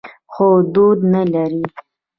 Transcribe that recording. خو دود نه لري.